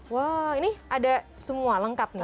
wow ini ada semua lengkap nih